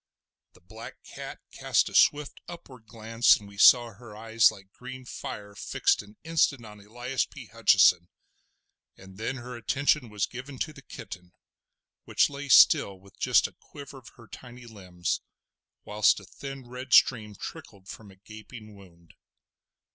The black cat cast a swift upward glance, and we saw her eyes like green fire fixed an instant on Elias P. Hutcheson; and then her attention was given to the kitten, which lay still with just a quiver of her tiny limbs, whilst a thin red stream trickled from a gaping wound.